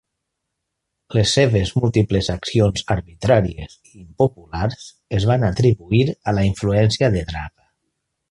Les seves múltiples accions arbitràries i impopulars es van atribuir a la influència de Draga.